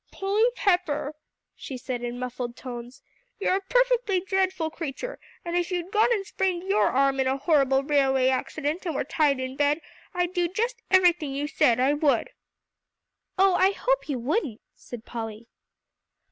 "Polly Pepper," she said in muffled tones, "you're a perfectly dreadful creature, and if you'd gone and sprained your arm in a horrible old railway accident and were tied in bed, I'd do just everything you said, I would." "Oh, I hope you wouldn't," said Polly.